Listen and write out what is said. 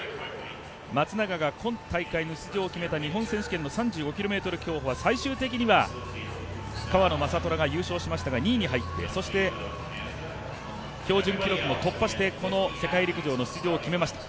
松永が今大会の出場を決めた日本選手権の３５ｋｍ競歩は最終的には川野将虎が優勝しましたが２位に入って、そして標準記録も突破してこの世界陸上の出場を決めました。